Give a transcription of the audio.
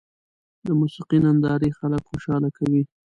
د موسیقۍ نندارې خلک خوشحاله کوي.